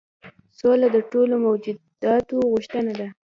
سوله د ټولو موجوداتو غوښتنه ده.